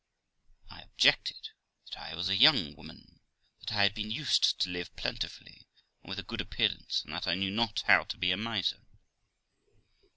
I objected, that I was a young woman, that I had been used to live plentifully, and with a good appearance, and that I knew not how to be a miser.